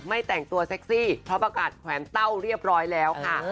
แต่งตัวเซ็กซี่เพราะประกาศแขวนเต้าเรียบร้อยแล้วค่ะ